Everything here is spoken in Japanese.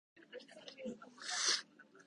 エラー判定が出る。